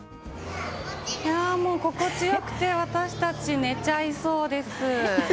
心地よくて私たち寝ちゃいそうです。